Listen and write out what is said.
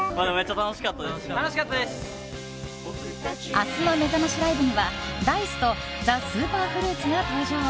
明日のめざましライブにはＤａ‐ｉＣＥとＴＨＥＳＵＰＥＲＦＲＵＩＴが登場。